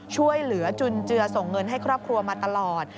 ช่วยเหลือจุนเจือส่งเงินให้ครอบครัวมาตลอด